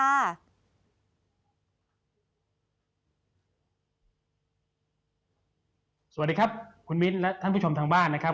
สวัสดีครับคุณมิ้นและท่านผู้ชมทางบ้านนะครับ